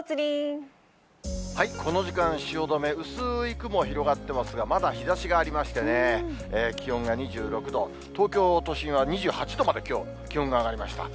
この時間、汐留、薄い雲が広がっていますが、まだ日ざしがありましてね、気温が２６度、東京都心は２８度まできょう、気温が上がりました。